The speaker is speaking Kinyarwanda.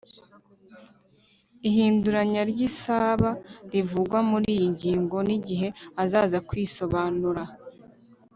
Ihinduranya ry isaba rivugwa muri iyi ngingo n igihe azaza kwisobanura